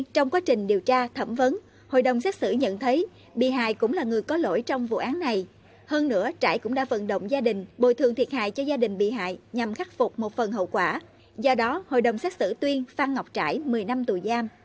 trong quá trình điều tra thẩm vấn hội đồng xét xử nhận thấy bị hài cũng là người có lỗi trong vụ án này hơn nữa trại cũng đã vận động gia đình bồi thường thiệt hại cho gia đình bị hại nhằm khắc phục một phần hậu quả do đó hội đồng xét xử tuyên phan ngọc trải một mươi năm tù giam